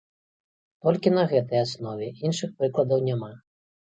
Толькі на гэтай аснове, іншых прыкладаў няма.